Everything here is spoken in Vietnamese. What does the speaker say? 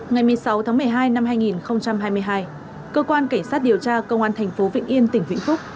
ngày một mươi sáu tháng một mươi hai năm hai nghìn hai mươi hai cơ quan cảnh sát điều tra công an thành phố vĩnh yên tỉnh vĩnh phúc